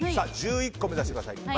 １１個目指してください。